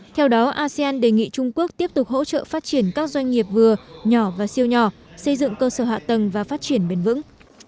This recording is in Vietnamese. theo đó asean đề nghị trung quốc tiếp tục hỗ trợ phát triển các doanh nghiệp vừa nhỏ và siêu nhỏ xây dựng cơ sở hạ tầng và phát triển bền vững